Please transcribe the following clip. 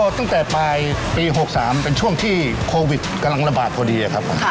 ตั้งแต่ปลายปี๖๓เป็นช่วงที่โควิดกำลังระบาดพอดีครับผม